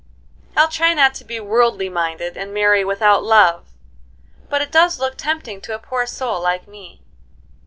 I'll try not to be worldly minded and marry without love, but it does look tempting to a poor soul like me."